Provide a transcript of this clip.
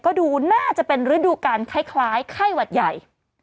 ก็ดูน่าจะเป็นฤดูการคล้ายไข้หวัดใหญ่